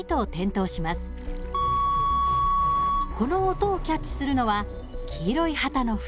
この音をキャッチするのは黄色い旗の船。